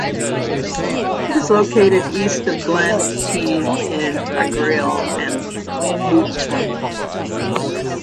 It is located east of Glen Etive in Argyll and Bute.